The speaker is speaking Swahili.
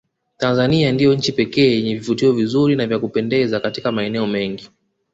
Tanzania ndio nchi pekee yenye vivutio vinzuri na vya kupendeza Katika maeneo mengi